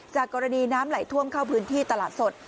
จากกรณีน้ำไหลท่วมเข้าพื้นที่ตลาดสด